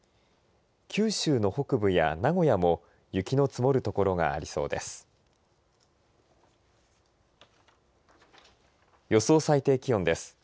九州の北部や名古屋も雪の積もる所がありそうです。